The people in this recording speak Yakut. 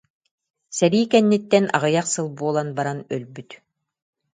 Сэрии кэнниттэн аҕыйах сыл буолан баран өлбүт